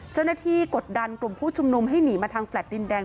กดดันกลุ่มผู้ชุมนุมให้หนีมาทางแลตดินแดง